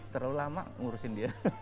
terlalu lama ngurusin dia